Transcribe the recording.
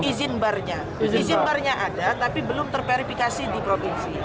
izin barnya izin barnya ada tapi belum terverifikasi di provinsi